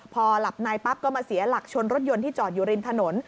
พอหลับในปั๊บก็มาเสียหลักชนรถยนต์ที่จอดอยู่ริมถนน